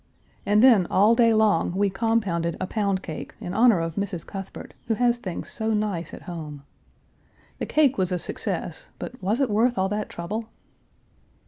And then all day long we compounded a pound cake in honor of Mrs. Cuthbert, who has things so nice at home. The cake was a success, but was it worth all that trouble?